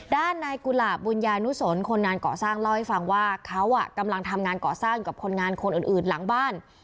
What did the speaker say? ด้านนายกุหลาบบุญญานุสนคนงานเกาะสร้างเล่าให้ฟังว่าเขากำลังทำงานก่อสร้างอยู่กับคนงานคนอื่นหลังบ้าน